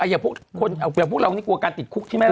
อย่างพวกเรานี่กลัวการติดคุกใช่ไหม